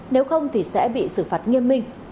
nếu không thì sẽ bị xử phạt nghiêm minh